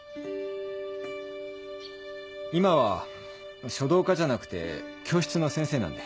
今は書道家じゃなくて教室の先生なんで。